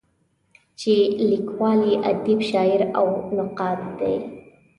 چې لیکوال یې ادیب، شاعر او نقاد دی.